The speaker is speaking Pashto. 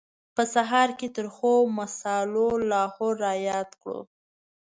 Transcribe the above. په سهار کې ترخو مسالو لاهور را یاد کړو.